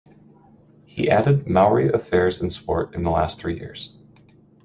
He added Maori Affairs and Sport in the last three years.